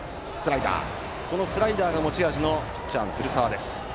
スライダーが持ち味ピッチャーの古澤です。